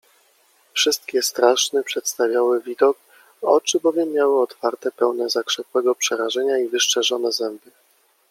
Wszystkie straszny przedstawiały widok, oczy bowiem miały otwarte, pełne zakrzepłego przerażenia i wyszczerzone zęby.